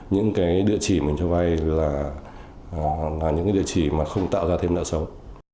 những địa chỉ mình cho vay là những địa chỉ mà không tạo ra thêm nợ sống